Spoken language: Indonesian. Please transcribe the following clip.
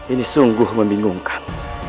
ini sungguh membingungkan